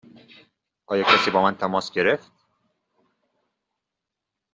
آیا کسی با من تماس گرفت؟